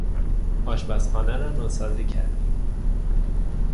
آشپزخانه را نوسازی کردیم.